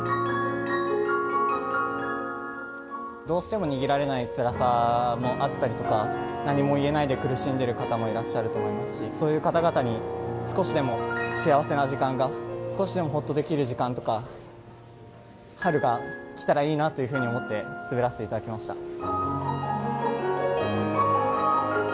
どうしても逃げられないつらさもあったりとか、何も言えないで苦しんでいる方もいらっしゃると思いますし、そういう方々に少しでも幸せな時間が、少しでもほっとできる時間とか、春が来たらいいなというふうに思って滑らせていただきました。